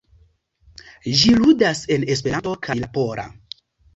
Ĝi ludas en Esperanto kaj la pola.